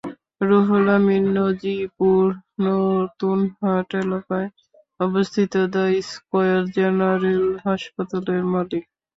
রুহুল আমিন নজিপুর নতুন হাট এলাকায় অবস্থিত the square general হাসপাতালের মালিক।